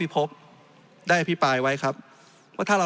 จริงโครงการนี้มันเป็นภาพสะท้อนของรัฐบาลชุดนี้ได้เลยนะครับ